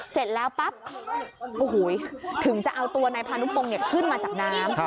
เสร็จแล้วปั๊บโอ้โหถึงจะเอาตัวนายพานุพงศ์ขึ้นมาจากน้ำ